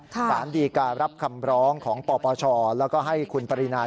สารดีการับคำร้องของปปชแล้วก็ให้คุณปรินา